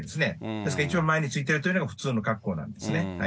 ですから一番前についているというのが普通の格好なんですね。